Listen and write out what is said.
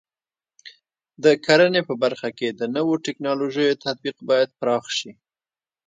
د کرنې په برخه کې د نوو ټکنالوژیو تطبیق باید پراخ شي.